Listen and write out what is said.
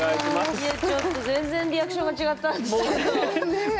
いやちょっと全然リアクションが違ったんですけど華ちゃんと。